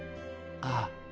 ああ。